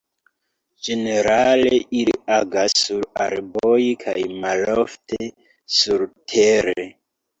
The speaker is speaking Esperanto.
Ĝenerale ili agas sur arboj kaj malofte surtere.